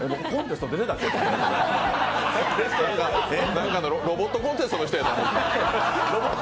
何かのロボットコンテストの人かと？